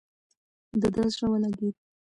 د ده زړه ولګېد.